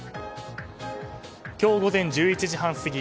今日午前１１時半すぎ